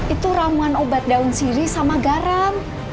itu ramuan obat daun siri sama garam